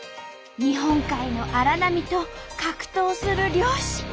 日本海の荒波と格闘する漁師。